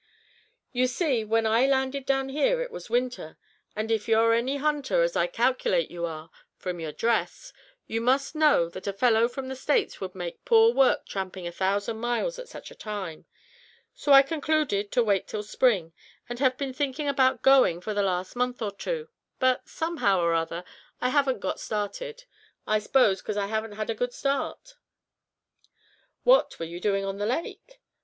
"You see, when I landed down here, it was winter, and if you're any hunter, as I calculate you are, from your dress, you must know that a fellow from the States would make poor work tramping a thousand miles at such a time. So I concluded to wait till spring, and have been thinking about going for the last month or two, but, somehow or other I haven't got started; I suppose 'cause I haven't had a good start." "What were you doing on the lake?"